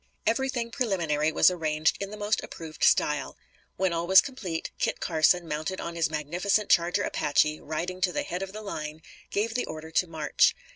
Everything preliminary was arranged in the most approved style. When all was complete, Kit Carson, mounted on his magnificent charger Apache, riding to the head of the line, gave the order to march.